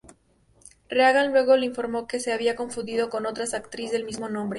Reagan luego le informó que se había confundido con otra actriz del mismo nombre.